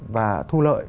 và thu lợi